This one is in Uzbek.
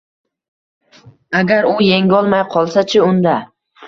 Agar u yengolmay, qolsa-chi?.. Unda